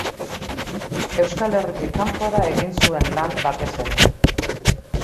Euskal Herritik kanpora egin zuen lan batez ere.